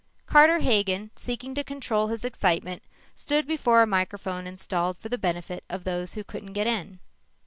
Carter Hagen, seeking to control his excitement, stood before a microphone installed for the benefit of those who couldn't get in.